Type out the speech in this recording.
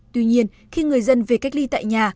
tuy nhiên khi người dân về cách ly tại nhà